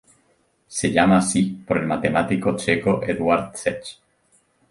Se llama así por el matemático checo Eduard Čech.